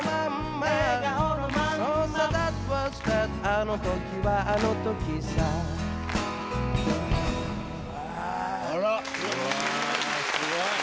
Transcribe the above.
あの時はあの時さすごい！